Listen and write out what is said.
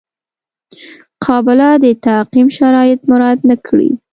قابله د تعقیم شرایط مراعات نه کړي.